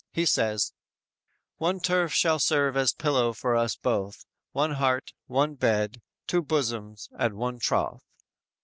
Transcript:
He says: _"One turf shall serve as pillow for us both, One heart, one bed, two bosoms and one troth!"